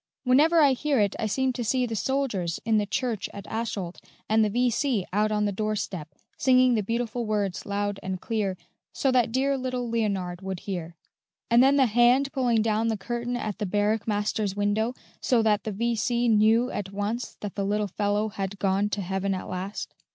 Whenever I hear it I seem to see the soldiers in the church at Asholt and the V.C. out on the door step, singing the beautiful words loud and clear, so that dear little Leonard would hear; and then the hand pulling down the curtain at the barrack master's window, so that the V.C. knew at once that the little fellow had gone to heaven at last."